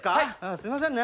すいませんね。